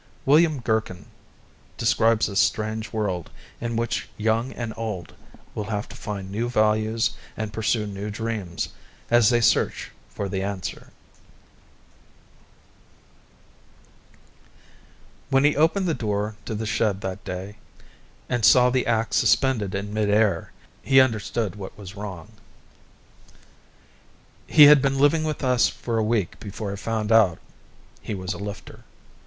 William Gerken describes this strange world in which young and old will have to find new values and pursue new dreams, as they search for the answer...._ stopover by WILLIAM GERKEN When he opened the door to the shed that day, and saw the axe suspended in mid air, he understood what was wrong. He had been living with us for a week before I found out he was a Lifter.